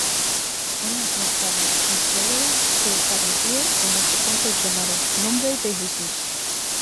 Años más tarde, un pueblo se estableció en este punto llamado "Nombre de Jesús".